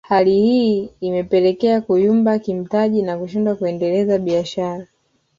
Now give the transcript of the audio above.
Hali hii imepelekea kuyumba kimtaji na kushindwa kuendeleza biashara